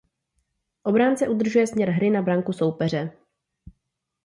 Obránce udržuje směr hry na branku soupeře.